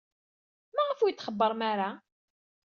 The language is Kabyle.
Maɣef ur iyi-d-txebbrem ara?